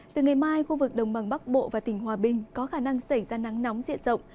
từ ngày mai khu vực đồng bằng bắc bộ và tỉnh hòa bình có khả năng xảy ra nắng nóng diện rộng